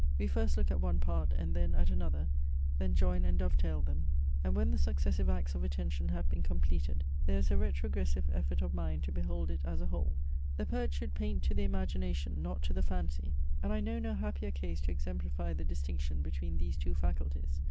We first look at one part, and then at another, then join and dove tail them; and when the successive acts of attention have been completed, there is a retrogressive effort of mind to behold it as a whole. The poet should paint to the imagination, not to the fancy; and I know no happier case to exemplify the distinction between these two faculties.